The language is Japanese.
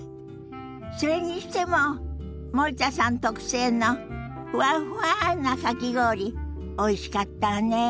それにしても森田さん特製のふわっふわなかき氷おいしかったわね。